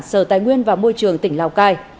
sở tài nguyên và môi trường tỉnh lào cai